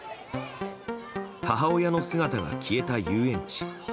母親の姿が消えた遊園地。